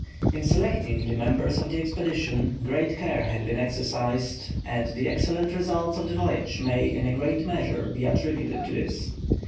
] In selecting the members of the expedition, great care had been exercised, and the excellent results of the voyage may, in a great measure, be attributed to this.